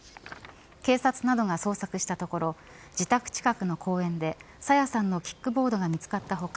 警察などが捜索したところ自宅近くの公園で、朝芽さんのキックボードが見つかった他